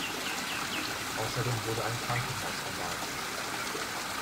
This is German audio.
Außerdem wurde ein Krankenhaus erbaut.